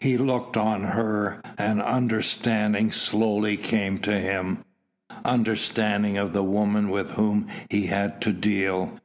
He looked on her and understanding slowly came to him ... understanding of the woman with whom he had to deal.